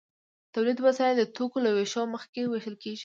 د تولید وسایل د توکو له ویشلو مخکې ویشل کیږي.